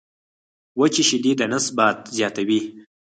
وچي شیدې د نس باد زیاتوي.